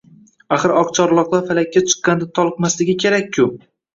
Axir, oqcharloqlar Falakka chiqqanda toliqmasligi kerak-ku.